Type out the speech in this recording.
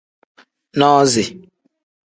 Nozi.